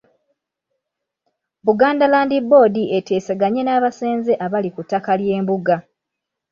Buganda Land Board eteeseganye n’abasenze abali ku ttaka ly'embuga.